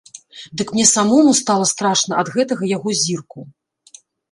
Дык мне самому стала страшна ад гэтага яго зірку.